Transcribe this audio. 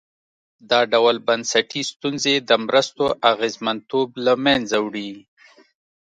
دا ډول بنسټي ستونزې د مرستو اغېزمنتوب له منځه وړي.